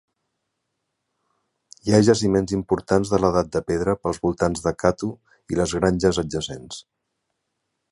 Hi ha jaciments importants de l'edat de pedra pels voltants de Kathu i les granges adjacents.